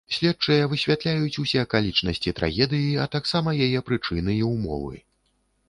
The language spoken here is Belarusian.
Следчыя высвятляюць усе акалічнасці трагедыі, а таксама яе прычыны і ўмовы.